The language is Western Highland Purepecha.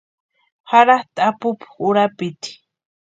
Jaratʼi apupu urapiti.